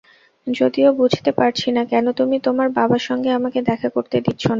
যদিও বুঝতে পারছিনা, কেন তুমি তোমার বাবার সঙ্গে আমাকে দেখা করতে দিচ্ছ না।